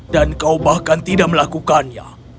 dan kau bahkan tidak melakukannya